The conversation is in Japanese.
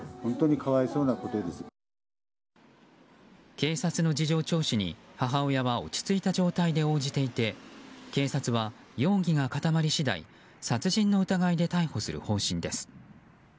警察の事情聴取に母親は落ち着いた状態で応じていて警察は、容疑が固まり次第殺人の疑いで逮捕する方針です。